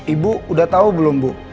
ibu udah tahu belum bu